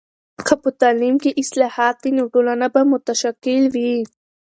که په تعلیم کې اصلاحات وي، نو ټولنه به متشکل وي.